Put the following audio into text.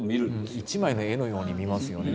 一枚の絵のように見えますよね。